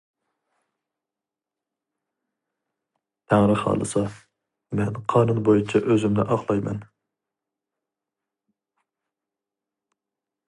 تەڭرى خالىسا، مەن قانۇن بويىچە ئۆزۈمنى ئاقلايمەن.